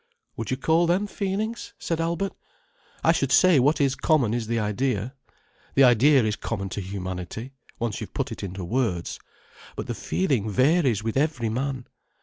"Would you call them feelings?" said Albert. "I should say what is common is the idea. The idea is common to humanity, once you've put it into words. But the feeling varies with every man.